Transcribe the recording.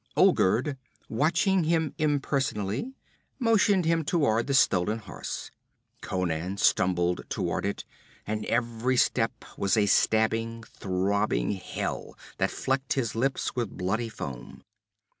Olgerd, watching him impersonally, motioned him toward the stolen horse. Conan stumbled toward it, and every step was a stabbing, throbbing hell that flecked his lips with bloody foam.